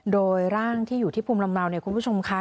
โดยร่างที่อยู่ที่ภูมิลำเนาเนี่ยคุณผู้ชมค่ะ